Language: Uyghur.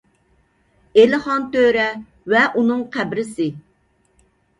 ئېلىخان تۆرە ۋە ئۇنىڭ قەبرىسى